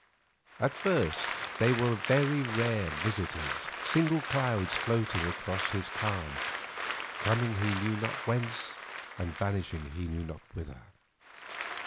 At first they were rare visitors, single clouds floating across his calm, coming he knew not whence and vanishing he knew not whither.